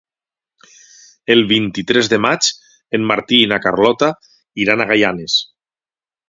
El vint-i-tres de maig en Martí i na Carlota iran a Gaianes.